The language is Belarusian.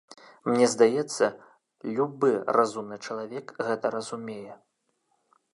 Мне здаецца, любы разумны чалавек гэта разумее.